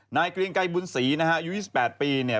นายเกลียงไกรบุญศรีอยู่๒๘ปี